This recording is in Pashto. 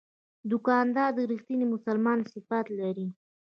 دوکاندار د رښتیني مسلمان صفات لري.